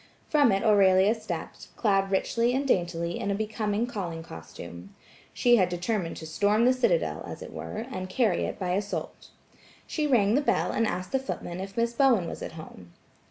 From it Aurelia stepped, clad richly and daintily in a becoming calling costume. She had determined to storm the citadel, as it were, and carry it by assault. She rang the bell and asked the footman if Miss Bowen was at home.